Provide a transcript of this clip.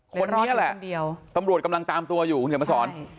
คนนี้แหละตำรวจกำลังตามตัวอยู่คุณเขียนมาสอน